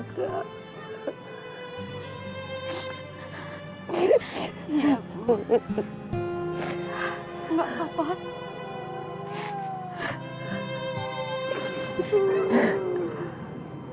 sampai pemakaman ramah